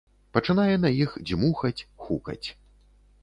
Пачынае на іх дзьмухаць, хукаць.